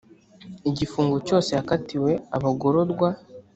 igifungo cyose yakatiwe abagororwa